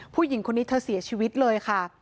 ผู้หญิงคนนี้เธอเสียชีวิตเลยค่ะ